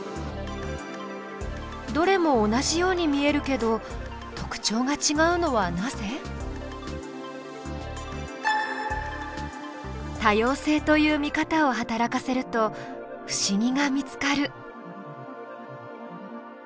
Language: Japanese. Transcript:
どれも同じように見えるけど特徴がちがうのはなぜ？多様性という見方を働かせると不思議が見つかる。